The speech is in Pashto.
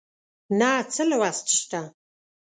نه څه لوست شته